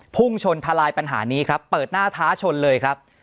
พุ่งชนทลายปัญหานี้ครับเปิดหน้าท้าชนเลยครับ